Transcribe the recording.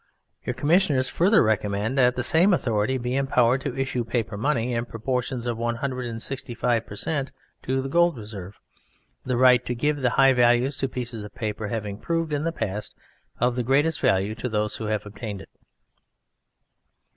Your Commissioners further recommend that the same authority be empowered to issue paper money in proportions of 165% to the gold reserve, the right to give high values to pieces of paper having proved in the past of the greatest value to those who have obtained it.